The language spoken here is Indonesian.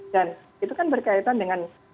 dan itu kan berkaitan dengan